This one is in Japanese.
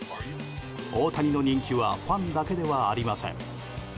大谷の人気はファンだけではありません。